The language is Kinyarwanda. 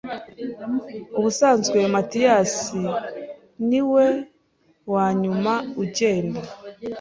Ubusanzwe Matiyasi niwe wanyuma ugenda.